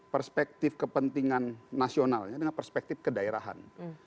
perspektif kepentingan nasionalnya dengan perspektif kedaerahan